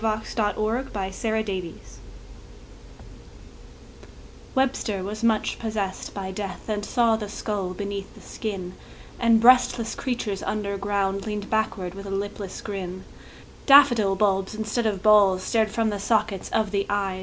Whispers of Immortality Webster was much possessed by death And saw the skull beneath the skin; And breastless creatures under ground Leaned backward with a lipless grin. Daffodil bulbs instead of balls Stared from the sockets of the eyes!